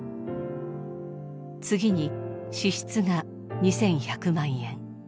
次に支出が２１００万円。